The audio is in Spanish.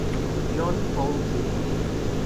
John Paul Jr.